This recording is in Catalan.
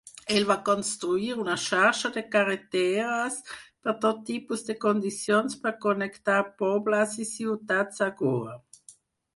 Ell va construir una xarxa de carreteres per tot tipus de condicions per connectar pobles i ciutats a Goa.